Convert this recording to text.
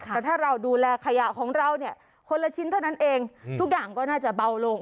แต่ถ้าเราดูแลขยะของเราเนี่ยคนละชิ้นเท่านั้นเองทุกอย่างก็น่าจะเบาลง